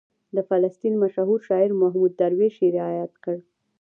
د فلسطین مشهور شاعر محمود درویش یې رایاد کړ.